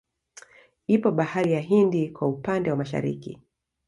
Ipo bahari ya Hindi kwa upande wa Mashariki